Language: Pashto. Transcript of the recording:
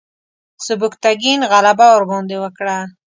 سبکتګین غلبه ورباندې وکړه.